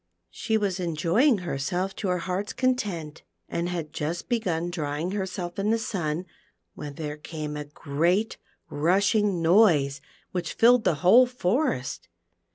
She was enjoying herself to her heart's content, THE PEARL FOUNTAIN. 13 and had just begun drying herself in the sun. when there came a great rushing noise which filled the whole forest.